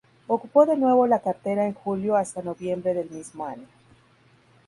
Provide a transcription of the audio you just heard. Ocupó de nuevo la cartera en julio hasta noviembre del mismo año.